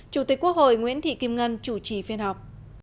chủ tịch quốc hội nguyễn thị kim ngân chủ trì phiên họp